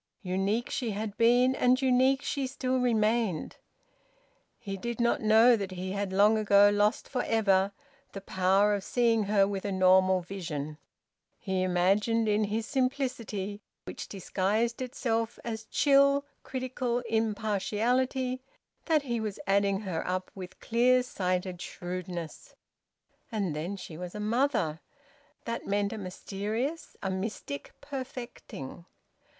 Unique she had been, and unique she still remained. He did not know that he had long ago lost for ever the power of seeing her with a normal vision. He imagined in his simplicity, which disguised itself as chill critical impartiality, that he was adding her up with clear sighted shrewdness... And then she was a mother! That meant a mysterious, a mystic perfecting!